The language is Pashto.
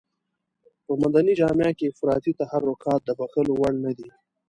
په مدني جامه کې افراطي تحرکات د بښلو وړ نه دي.